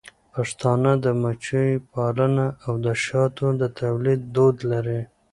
پښتانه د مچیو پالنه او د شاتو د تولید دود لري.